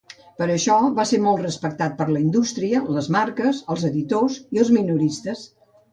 Per això va ser molt respectat per la indústria, les marques, els editors i els minoristes.